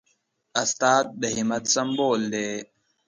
استاد د همت سمبول دی.